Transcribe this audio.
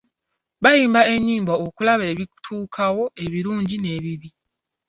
Bayimba ennyimba okulamba ebituukawo ebirungi n'ebibi.